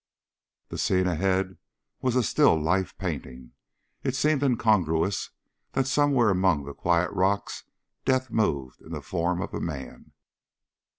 The scene ahead was a still life painting. It seemed incongruous that somewhere among the quiet rocks death moved in the form of a man.